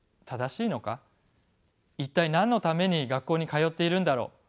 一体何のために学校に通っているんだろう？